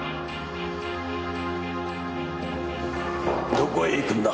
どこへ行くんだ？